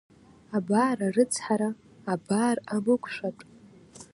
Абар, арыцҳара, абар амықәшәатә!